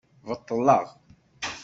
Beṭṭleɣ.